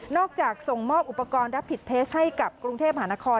นอกจากส่งมอบอุปกรณ์และผิดเทสให้กับกรุงเทพฯหานคร